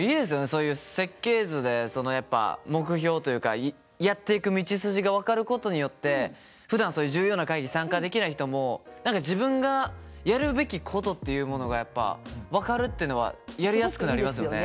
そういう設計図でそのやっぱ目標というかやっていく道筋が分かることによってふだんそういう重要な会議に参加できない人も何か自分がやるべきことっていうものがやっぱ分かるっていうのはやりやすくなりますよね。